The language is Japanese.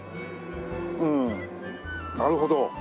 うんなるほど。